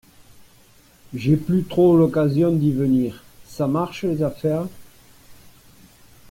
j’ai plus trop l’occasion d’y venir. Ça marche, les affaires ?